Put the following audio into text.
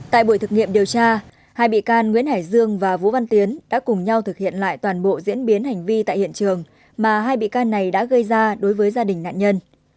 tại buổi thực nghiệm điều tra hai bị can nguyễn hải dương và vũ văn tiến đã cùng nhau thực hiện lại toàn bộ diễn biến hành vi tại hiện trường mà hai bị can này đã gây ra đối với gia đình nạn nhân